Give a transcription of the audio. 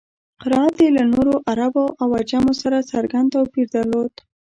قرائت یې له نورو عربو او عجمو سره څرګند توپیر درلود.